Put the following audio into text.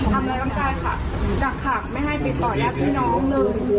ทำร้ายร่างกายค่ะกักขังไม่ให้ติดต่อญาติพี่น้องเลย